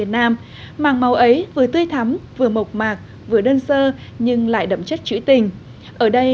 nam màng màu ấy vừa tươi thắm vừa mộc mạc vừa đơn sơ nhưng lại đậm chất chữ tình ở đây